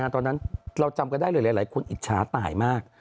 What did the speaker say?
แล้วก็รู้สึกจังเรากันตอนนั้นหลายคนอิฉาตายมาก